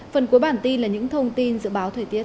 phần cuối bản tin là những thông tin dự báo thời tiết